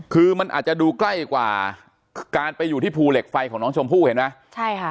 คือมันอาจจะดูใกล้กว่าการไปอยู่ที่ภูเหล็กไฟของน้องชมพู่เห็นไหมใช่ค่ะ